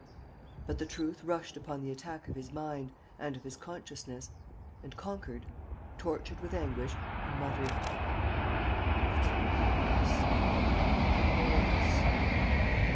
But the truth rushed upon the attack of his mind and of his consciousness; and, conquered, tortured with anguish, he muttered: "Oh, Dolores! ... Dolores!